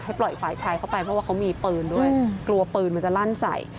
ปล่อยฝ่ายชายเข้าไปเพราะว่าเขามีปืนด้วยกลัวปืนมันจะลั่นใส่